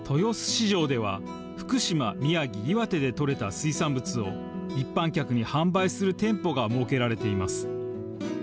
市場では福島、宮城、岩手で取れた水産物を一般客に販売する店舗が設けられています。